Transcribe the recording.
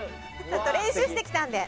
ちょっと練習してきたんで。